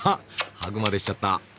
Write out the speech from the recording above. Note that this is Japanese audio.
ハグまでしちゃった。